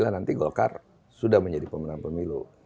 dua ribu dua puluh sembilan nanti golkar sudah menjadi pemenang pemilu